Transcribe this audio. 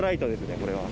これは。